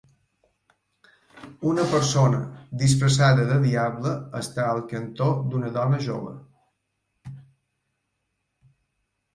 Una persona, disfressada de diable, està al cantó d'una dona jove.